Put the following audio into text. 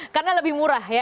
karena lebih murah ya